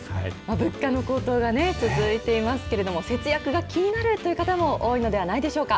物価の高騰が続いていますけれども、節約が気になるという方も多いのではないでしょうか。